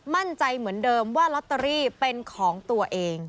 มั่นใจเหมือนเดิมว่าลอตเตอรี่เป็นของตัวเอง